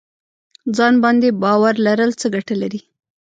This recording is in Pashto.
ځان باندې باور لرل څه ګټه لري؟